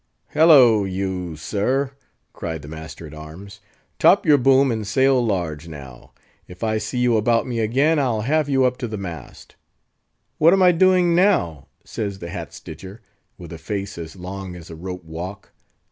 "Halloo, you, sir!" cried the master at arms, "top your boom and sail large, now. If I see you about me again, I'll have you up to the mast." "What am I a doin' now?" says the hat stitcher, with a face as long as a rope walk.